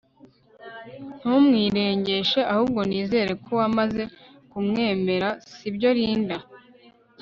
Ntumwirengeshe ahubwo nizere ko wamaze kumwemerera Sibyo Linda